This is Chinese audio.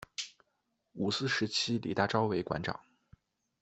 五四时期李大钊为馆长。